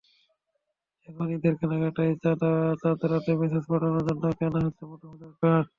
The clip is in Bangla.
এখন ঈদের কেনাকাটায় চাঁদরাতে মেসেজ পাঠানোর জন্য কেনা হচ্ছে মুঠোফোনের কার্ড।